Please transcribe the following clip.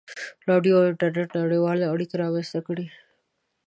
• راډیو او انټرنېټ نړیوالې اړیکې رامنځته کړې.